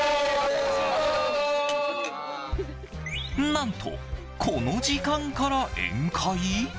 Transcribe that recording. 何と、この時間から宴会？